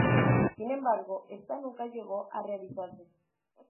Sin embargo, está nunca llegó a realizarse.